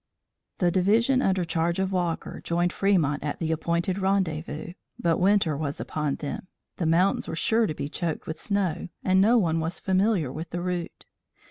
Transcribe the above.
The division under charge of Walker joined Fremont at the appointed rendezvous, but winter was upon them, the mountains were sure to be choked with snow and no one was familiar with the route.